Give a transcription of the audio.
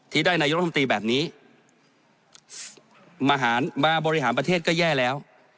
ที่ได้นายรัฐมนตรีแบบนี้มาบริหารประเทศก็แย่แล้ว